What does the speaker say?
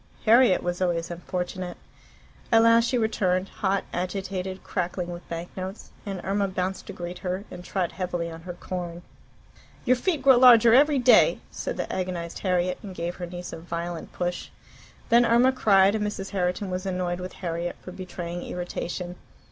Harriet was always unfortunate. At last she returned, hot, agitated, crackling with bank notes, and Irma bounced to greet her, and trod heavily on her corn. "Your feet grow larger every day," said the agonized Harriet, and gave her niece a violent push. Then Irma cried, and Mrs. Herriton was annoyed with Harriet for betraying irritation.